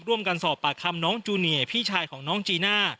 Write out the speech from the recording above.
ร่วมกันสอบปากคำน้องจูเนียพี่ชายของน้องจีน่า